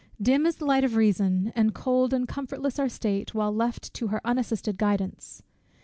_ Dim is the light of reason, and cold and comfortless our state, while left to her unassisted guidance.